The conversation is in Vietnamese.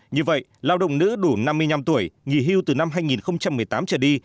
như vậy lao động nữ đủ năm mươi năm tuổi nghỉ hưu từ năm hai nghìn một mươi tám trở đi